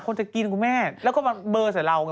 จะกินคุณแม่แล้วก็มาเบอร์ใส่เราไง